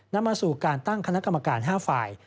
นำมาสู่การตั้งคณะกรรมการ๕ฝ่าย